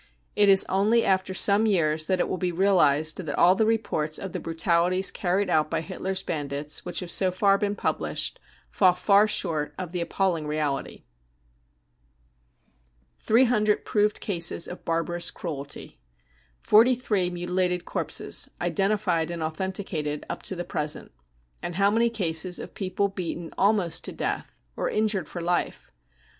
It is only after some years that it will be realised that all the reports of the ^brutalities carried out by Hitler's bandits which have so "Tar been published fall far short of the appalling reality. 242 BROWN BOOK OF THE HITLER TERROR 300 Proved Cases of Barbarous Cruelty. Forty three mutilated corpses, identified and authenticated up to the present — and how many cases of people beaten almost to death or injured for life